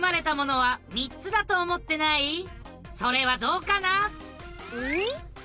それはどうかな？